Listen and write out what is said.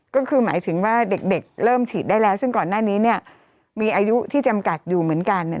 ก็คือหมายถึงว่าเด็กเริ่มฉีดได้แล้วซึ่งก่อนหน้านี้เนี่ยมีอายุที่จำกัดอยู่เหมือนกันเนี่ย